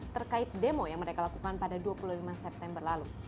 terkait demo yang mereka lakukan pada dua puluh lima september lalu